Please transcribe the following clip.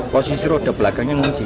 posisi roda belakangnya menguji